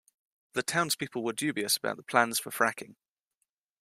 The townspeople were dubious about the plans for fracking